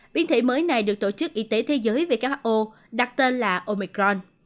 biến thể mới này được tổ chức y tế thế giới who đặt tên là omicron